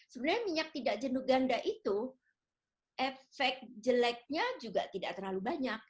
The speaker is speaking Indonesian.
sebenarnya minyak tidak jenuh ganda itu efek jeleknya juga tidak terlalu banyak